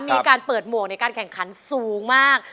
มีการเปิดหมวกในการแข่งขันสูงมาก